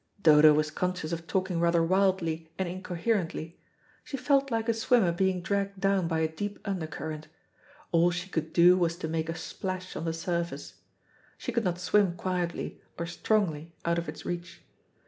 '" Dodo was conscious of talking rather wildly and incoherently. She felt like a swimmer being dragged down by a deep undercurrent. All she could do was to make a splash on the surface. She could not swim quietly or strongly out of its reach.